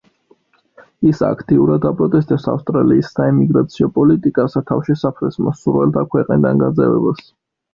ის აქტიურად აპროტესტებს ავსტრალიის საიმიგრაციო პოლიტიკას და თავშესაფრის მსურველთა ქვეყნიდან გაძევებას.